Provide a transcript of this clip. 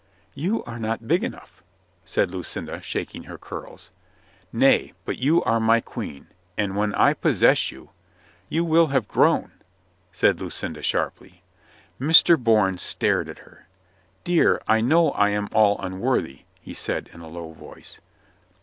"You are not big enough," said Lucinda, shaking her curls. "Nay, but you are my queen, and when I possess you —" "You will have grown," said Lucinda sharply. Mr. Bourne stared at her. "Dear, I know I am all unworthy," he said in a low voice.